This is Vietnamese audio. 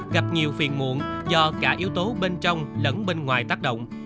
gặp nhiều phiền muộn do cả yếu tố bên trong lẫn bên ngoài tác động